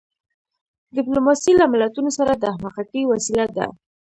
ډیپلوماسي له ملتونو سره د همږغی وسیله ده.